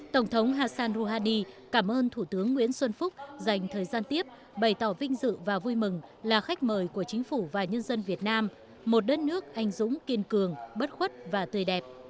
tổng thống hassan rouhani cảm ơn thủ tướng nguyễn xuân phúc dành thời gian tiếp bày tỏ vinh dự và vui mừng là khách mời của chính phủ và nhân dân việt nam một đất nước anh dũng kiên cường bất khuất và tươi đẹp